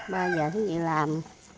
ba giờ các chị làm